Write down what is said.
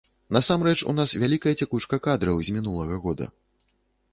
Насамрэч у нас вялікая цякучка кадраў з мінулага года.